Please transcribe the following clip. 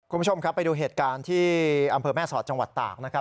คุณผู้ชมครับไปดูเหตุการณ์ที่อำเภอแม่สอดจังหวัดตากนะครับ